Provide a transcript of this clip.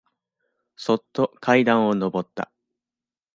そっと階段をのぼった。